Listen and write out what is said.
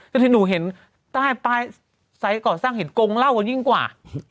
แต่ที่หนูเห็นใต้ป้ายไซส์ก่อสร้างเห็นกงเล่ากันยิ่งกว่า